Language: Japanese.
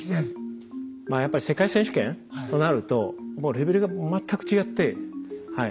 まあやっぱり世界選手権となるともうレベルが全く違ってはい。